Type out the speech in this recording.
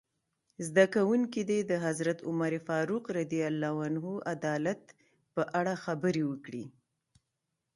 زده کوونکي دې د حضرت عمر فاروق رض عدالت په اړه خبرې وکړي.